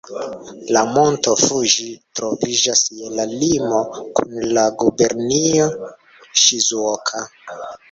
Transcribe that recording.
La Monto Fuĝi troviĝas je la limo kun la gubernio Ŝizuoka.